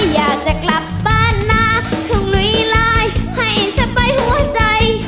อยากจะกลับบ้านหน้าทุ่มหลวยลายให้สบายหัวใจ